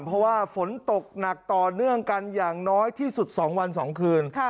เพราะว่าฝนตกหนักต่อเนื่องกันอย่างน้อยที่สุด๒วัน๒คืน